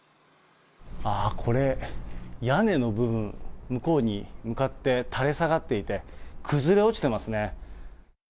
ああ、これ、屋根の部分、向こうに向かって、垂れ下がっていて、崩れ落ちていますね。